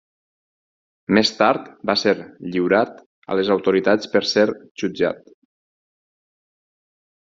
Més tard va ser lliurat a les autoritats per ser jutjat.